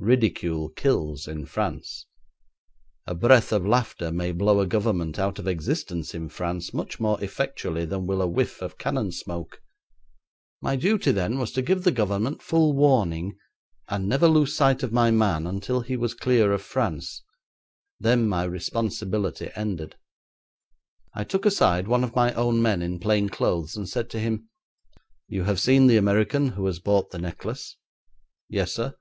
Ridicule kills in France. A breath of laughter may blow a Government out of existence in Paris much more effectually than will a whiff of cannon smoke. My duty then was to give the Government full warning, and never lose sight of my man until he was clear of France; then my responsibility ended. I took aside one of my own men in plain clothes and said to him, 'You have seen the American who has bought the necklace?' 'Yes, sir.'